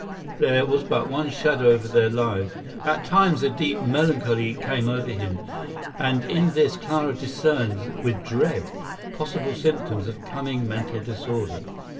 There was but one shadow over their lives. At times a deep melancholy came over him, and in this Clara discerned with dread possible symptoms of coming mental disorder.